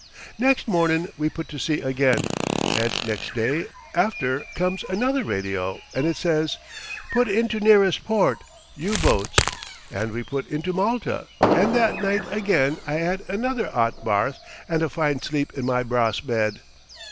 "Next mornin' we put to sea again, and next day after comes another radio, and it says: 'PUT INTO NEAREST PORT. U BOATS.' And we put into Malta, and that night again I 'ad another 'ot barth and a fine sleep in my brahss bed.